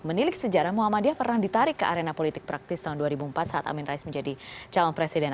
menilik sejarah muhammadiyah pernah ditarik ke arena politik praktis tahun dua ribu empat saat amin rais menjadi calon presiden